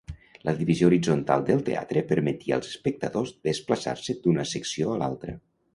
La divisió horitzontal del teatre permetia als espectadors desplaçar-se d'una secció a l'altra.